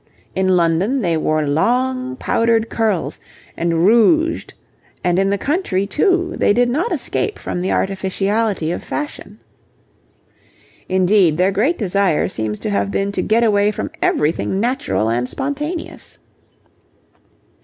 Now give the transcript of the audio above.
In London they wore long powdered curls and rouged, and in the country too they did not escape from the artificiality of fashion. Indeed, their great desire seems to have been to get away from everything natural and spontaneous.